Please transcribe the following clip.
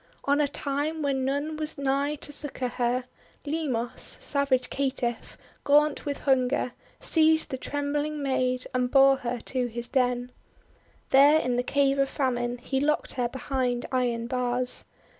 On a time w^hen none was nigh to succour her, Limos, savage caitiff, gaunt with hunger, seized the trembling maid and bore her to his den. There in the Cave of Famine he locked her behind iron bars.